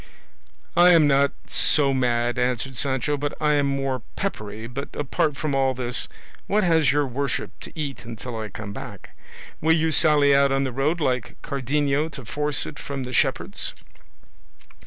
"I am not so mad," answered Sancho, "but I am more peppery; but apart from all this, what has your worship to eat until I come back? Will you sally out on the road like Cardenio to force it from the shepherds?"